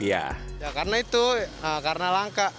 ya karena itu karena langka